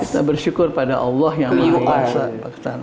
kita bersyukur pada allah yang maha kuasa